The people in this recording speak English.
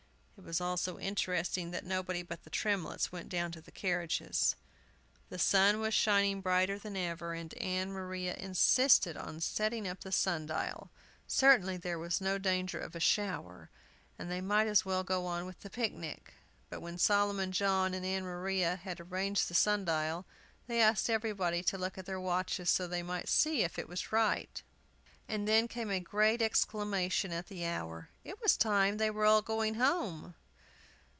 It was all so interesting that nobody but the Tremletts went down to the carriages. The sun was shining brighter than ever, and Ann Maria insisted on setting up the sun dial. Certainly there was no danger of a shower, and they might as well go on with the picnic. But when Solomon John and Ann Maria had arranged the sun dial, they asked everybody to look at their watches, so that they might see if it was right. And then came a great exclamation at the hour: "It was time they were all going home!"